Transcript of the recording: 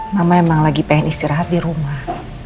mama emang lagi pengen istirahat di rumah